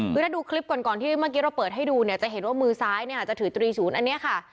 กูได้ดูคลิปก่อนก่อนที่เมื่อกี้เราเปิดให้ดูจะเห็นว่ามือซ้ายมีที่ถือตรีศูนย์แบบนี้ค่ะ